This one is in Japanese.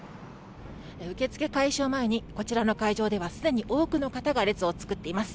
受け付け開始前にこちらにはすでに多くの方が列を作っています。